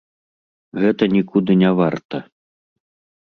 Гэта нікуды не варта.